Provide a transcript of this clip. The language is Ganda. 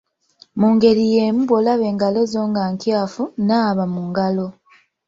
Mu ngeri y’emu bw’olaba engalo zo nga nkyafu, naaba mu ngalo.